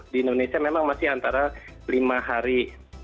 di indonesia memang masih antara lima hari